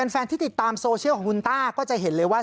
แฟนที่ติดตามโซเชียลของคุณต้าก็จะเห็นเลยว่า